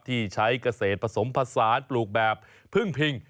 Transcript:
ที่ใช้เกษตรผสมผสานปลูกแบบพึ่งพิง